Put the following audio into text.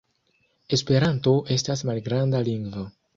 Esperanto estas malgranda lingvo.